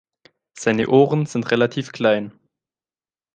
Seine Ohren sind relativ klein.